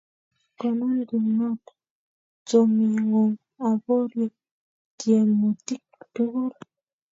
Konon kimnot chomyeng'ung' aborye tyemutik tukul